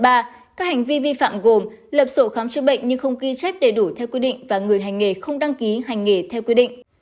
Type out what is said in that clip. các hành vi vi phạm gồm lập sổ khám chữa bệnh nhưng không ghi chép đầy đủ theo quy định và người hành nghề không đăng ký hành nghề theo quy định